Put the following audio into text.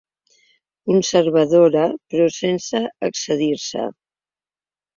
Conservadora, però sense excedir-se.